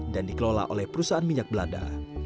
dan dikelola oleh perusahaan minyak belanda